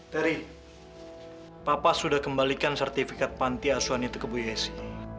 terry papa sudah kembalikan sertifikat panti asuhan itu ke bu yesi